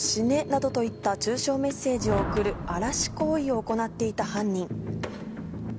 などといった中傷メッセージを送る「荒らし行為」を行っていた犯人。